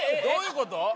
どういうこと？